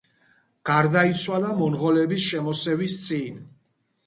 გარდაიცვალა მონღოლების შემოსევის წინ.